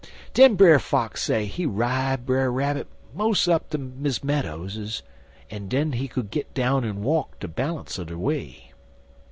Den Brer Fox say he ride Brer Rabbit mos' up ter Miss Meadows's, en den he could git down en walk de balance er de way.